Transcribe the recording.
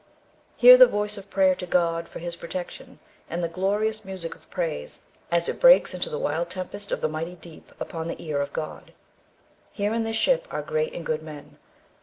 Hear the voice of prayer to God for his protection, and the glorious music of praise, as it breaks into the wild tempest of the mighty deep, upon the ear of God. Here in this ship are great and good men.